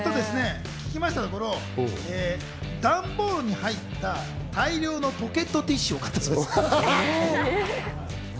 聞きましたところ、段ボールに入った大量のポケットティッシュを買ったそうですよ。